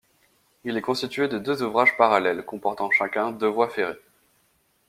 Il est constitué de deux ouvrages parallèles, comportant chacun deux voies ferrées.